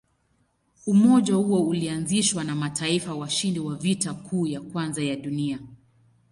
Umoja huo ulianzishwa na mataifa washindi wa Vita Kuu ya Kwanza ya Dunia.